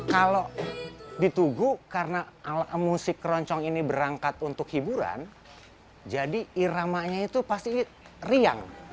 kalau di tugu karena musik keroncong ini berangkat untuk hiburan jadi iramanya itu pasti riang